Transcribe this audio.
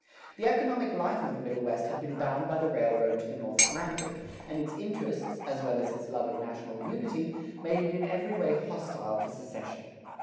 The economic life of the Middle West had been bound by the railroad to the North Atlantic, and its interests, as well as its love of national unity, made it in every way hostile to secession.